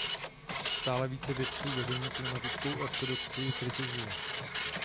Stále více vědců veřejně klimatickou ortodoxii kritizuje.